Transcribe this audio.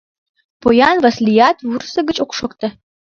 Поян Васлият вурсыгыч ок шокте.